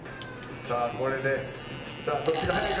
さあこれでさあどっちが早いか？